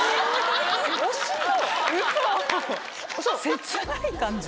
切ない感情？